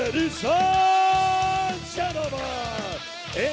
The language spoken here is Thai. ทุกคนทุกคน